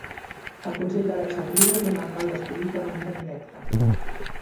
El Consell d'Alexandrina té un alcalde escollit de manera directa.